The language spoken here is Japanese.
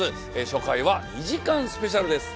初回は２時間スペシャルです。